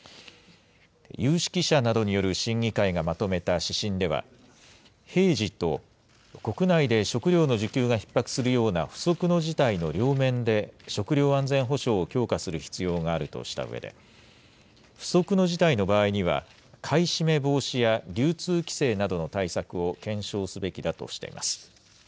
有識者などによる審議会がまとめた指針では、平時と国内で食料の需給がひっ迫するような不測の事態の両面で食料安全保障を強化する必要があるとしたうえで、不測の事態の場合には、買い占め防止や流通規制などの対策を検証すべきだとしています。